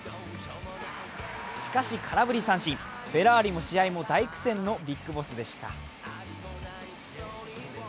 しかし、空振り三振、フェラーリも試合も大苦戦のＢＩＧＢＯＳＳでした。